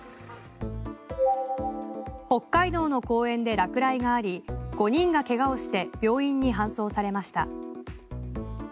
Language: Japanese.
北海道の公園で落雷があり５人が怪我をして病院に搬送されました。